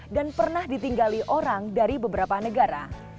dan pernah ditinggali orang dari beberapa negara